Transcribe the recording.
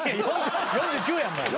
４９やもう。